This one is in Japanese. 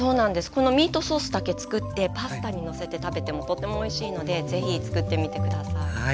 このミートソースだけつくってパスタにのせて食べてもとてもおいしいので是非つくってみて下さい。